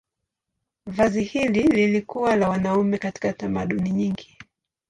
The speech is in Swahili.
Vazi hili lilikuwa la wanaume katika tamaduni nyingi.